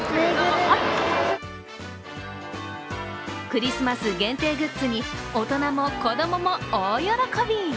クリスマス限定グッズに大人も子供も大喜び。